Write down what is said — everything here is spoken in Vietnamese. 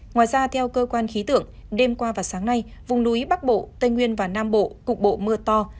ngoài ra theo cơ quan khí tượng đêm qua và sáng nay vùng núi bắc bộ tây nguyên và nam bộ cục bộ mưa to